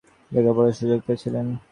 তিনি কিছুদিন লেখাপড়ার সুযোগ পেয়েছিলেন।